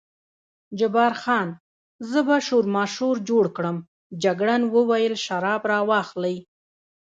جبار خان: زه به شورماشور جوړ کړم، جګړن وویل شراب را واخلئ.